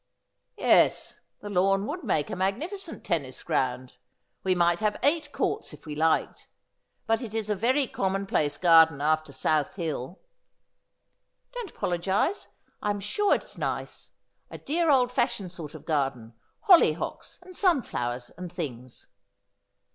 'Yes, the lawn would make a magnificent tennis ground. We might have eight courts if we liked. But it is a very com mon place garden after South Hill.' ' Don't apologise. I am sure it is nice ; a dear old fashioned sort of garden — hollyhocks, and sunflowers, and things.'